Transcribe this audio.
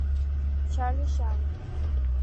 Charles Shaw.